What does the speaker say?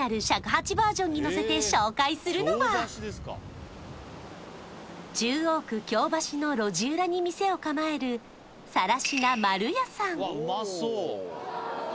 尺八バージョンにのせて紹介するのは中央区京橋の路地裏に店を構える更科丸屋さん